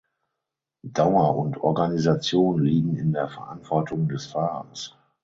Dauer und Organisation liegen in der Verantwortung des Fahrers.